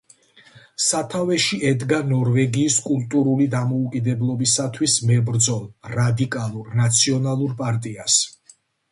სათავეში ედგა ნორვეგიის კულტურული დამოუკიდებლობისთვის მებრძოლ რადიკალურ ნაციონალურ პარტიას.